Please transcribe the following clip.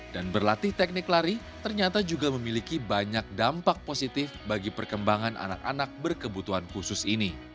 berlatih teknik lari ternyata juga memiliki banyak dampak positif bagi perkembangan anak anak berkebutuhan khusus ini